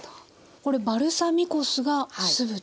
これバルサミコ酢が酢豚